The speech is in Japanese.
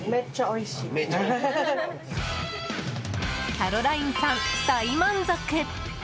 キャロラインさん、大満足。